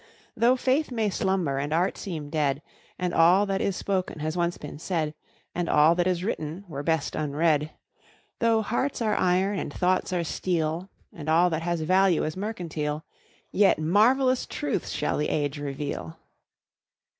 Though faith may slumber and art seem dead, And all that is spoken has once been said, And all that is written were best unread; Though hearts are iron and thoughts are steel, And all that has value is mercantile, Yet marvellous truths shall the age reveal.